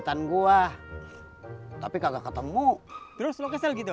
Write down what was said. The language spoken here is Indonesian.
tamu disinip kelle reduce crise penunggung cpu